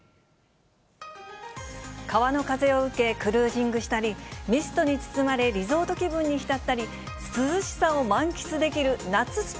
川の風を受け、クルージングしたり、ミストに包まれリゾート気分に浸ったり、涼しさを満喫できる夏ス